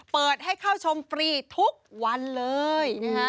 เปิดให้เข้าชมฟรีทุกวันเลยนะฮะ